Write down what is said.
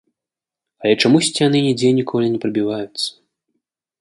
Але чамусьці яны нідзе ніколі не прабіваюцца.